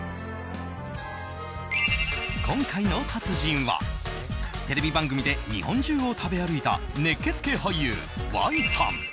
今回の達人はテレビ番組で日本中を食べ歩いた熱血系俳優・Ｙさん。